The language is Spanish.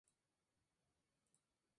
Habita en Tonkín Vietnam.